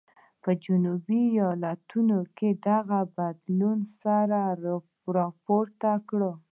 په جنوبي ایالتونو کې دغه بدلون سر راپورته کړ.